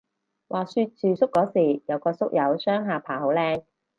話說住宿嗰時有個宿友雙下巴好靚